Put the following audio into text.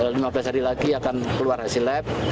lima belas hari lagi akan keluar hasil lab